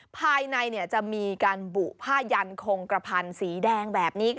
ภายในจะมีการบุผ้ายันคงกระพันธ์สีแดงแบบนี้